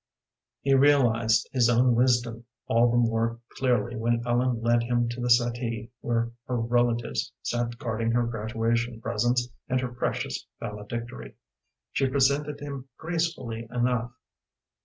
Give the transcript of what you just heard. He realized his own wisdom all the more clearly when Ellen led him to the settee where her relatives sat guarding her graduation presents and her precious valedictory. She presented him gracefully enough.